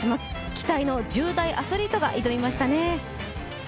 期待の１０代アスリートが挑みましたね。